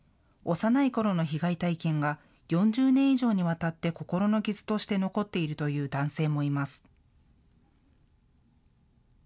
幼いころの被害体験が４０年以上にわたって心の傷として残っているという男性もいます。